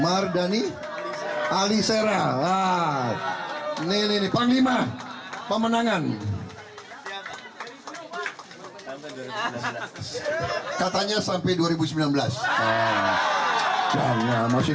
mardani mardani alisera ah nilai panglima pemenangan katanya sampai dua ribu sembilan belas jangan masih